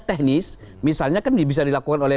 teknis misalnya kan bisa dilakukan oleh